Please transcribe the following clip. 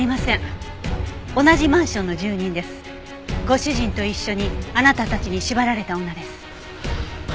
ご主人と一緒にあなたたちに縛られた女です。